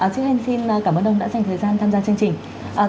chính hành xin cảm ơn ông đã dành thời gian tham gia chương trình